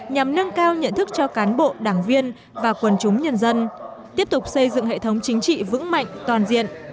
nhằm nâng cao nhận thức cho cán bộ đảng viên và quần chúng nhân dân tiếp tục xây dựng hệ thống chính trị vững mạnh toàn diện